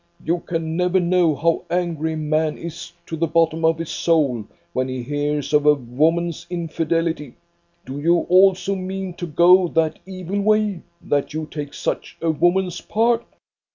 You can never know how angry a man is to the bottom of his soul when he hears of a woman's infidelity. Do you also mean to go that evil way, that you take such a woman's part?"